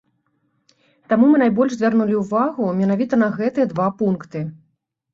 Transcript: Таму мы найбольш звярнулі ўвагу менавіта на гэтыя два пункты.